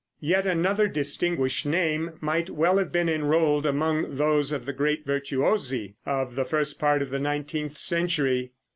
Yet another distinguished name might well have been enrolled among those of the great virtuosi of the first part of the nineteenth century.